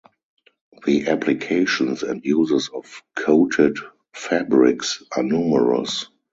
The applications and uses of coated fabrics are numerous.